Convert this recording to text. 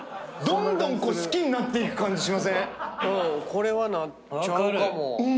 これはなっちゃうかも。